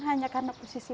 hanya karena posisi